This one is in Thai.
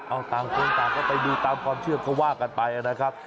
เอาต่างคนต่างก็ไปดูตามความเชื่อเขาว่ากันไปนะครับ